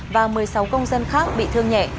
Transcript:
và một mươi sáu công dân khác bị thương nhẹ